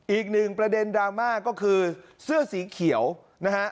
อีกหนึ่งประเด็นดราม่าก็คือเสื้อสีเขียวนะฮะ